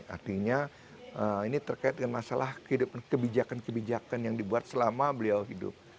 artinya ini terkait dengan masalah kehidupan kebijakan kebijakan yang dibuat selama beliau hidup